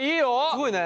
すごいね。